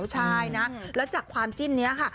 ใช่นะแล้วจากความจิ้นนี้ค่ะ